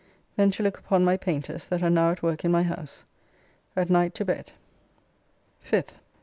Then to look upon my painters that are now at work in my house. At night to bed. 5th.